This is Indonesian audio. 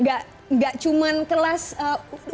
enggak cuman kelas wilayah dan kelas kelas